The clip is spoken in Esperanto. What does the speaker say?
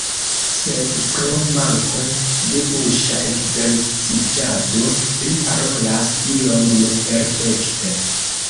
Sed, pro manko de buŝa ekzerciĝado, li parolas iom neperfekte.